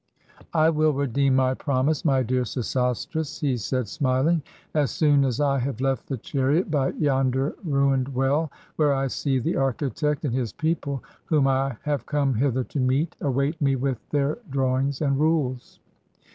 "I will redeem my promise, my dear Sesostris," he said, smiling, "as soon as I have left the chariot by yonder ruined well, where I see the architect and his people, whom I have come hither to meet, await me with their drawings and rules."